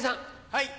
はい。